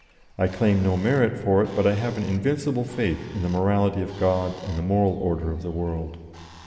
I claim no merit for it, but I have an invincible faith in the morality of God and the moral order of the world.